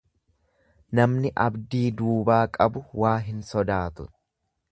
Namni abdii duubaa qabu waa hin sodaatu.